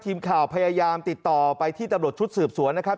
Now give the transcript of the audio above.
ทีมข่าวพยายามติดต่อไปที่ตำรวจชุดสืบสวนนะครับ